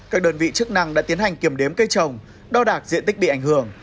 các đơn vị chức năng đã tiến hành kiểm đếm cây trồng đo đạc diện tích bị ảnh hưởng